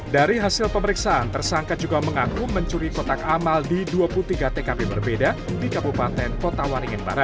dari hasil pemeriksaan tersangka juga mengaku mencuri kotak amal di dua puluh tiga tkp berbeda di kabupaten kota waringin barat